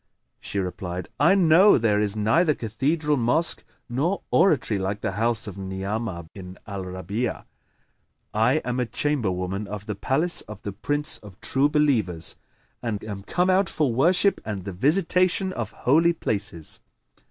She replied, "I know there is neither cathedral mosque nor oratory like the house of Ni'amah bin al Rabi'a. I am a chamberwoman of the palace of the Prince of True Believers and am come out for worship and the visitation of Holy Places."